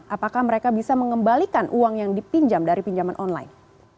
apakah mereka bisa mengembalikan uang yang dipinjam dari pinjaman online